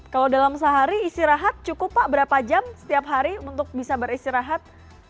kalau dalam sehari istirahat cukup pak berapa jam setiap hari untuk bisa beristirahat